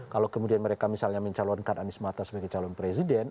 kalau kemudian mereka misalnya mencalonkan anies mata sebagai calon presiden